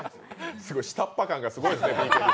下っ端感がすごいですね。